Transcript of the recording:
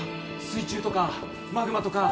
水中とかマグマとか